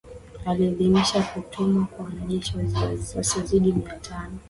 Aliidhinisha kutumwa kwa wanajeshi wasiozidi mia tano